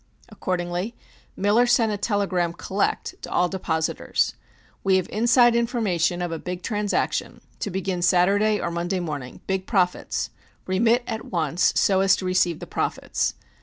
Accordingly Miller sent a telegram (collect) to all depositors: We have inside information of a big transaction, to begin Saturday or Monday morning. Big profits. Remit at once so as to receive the profits.